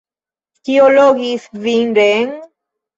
Kio logis vin reen?